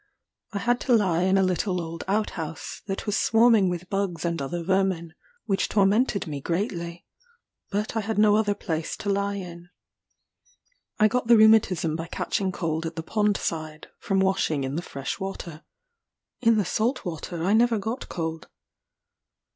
I had to lie in a little old out house, that was swarming with bugs and other vermin, which tormented me greatly; but I had no other place to lie in. I got the rheumatism by catching cold at the pond side, from washing in the fresh water; in the salt water I never got cold.